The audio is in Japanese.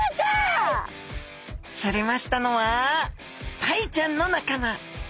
釣れましたのはタイちゃんの仲間